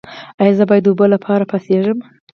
ایا زه باید د اوبو لپاره پاڅیږم؟